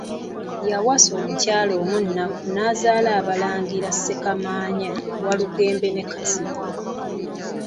Yawasa omukyala omu Nnakku n'azaala abalangira Ssekamaanya, Walugembe ne Kazibwe.